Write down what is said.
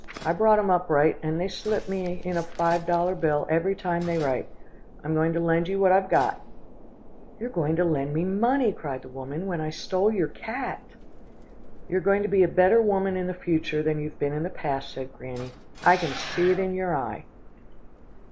I brought 'em up right, and they slip me in a five dollar bill every time they write. I'm going to lend you what I've got.' "'You're going to lend me money,' cried the woman, 'when I stole your cat?' "'You're going to be a better woman in the future, than you have been in the past,' said Granny. 'I can see it in your eye.